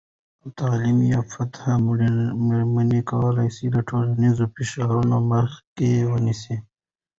تعلیم یافته میرمنې کولی سي د ټولنیز فشارونو مخه ونیسي.